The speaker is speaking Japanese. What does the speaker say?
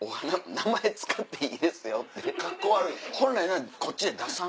名前使っていいですよ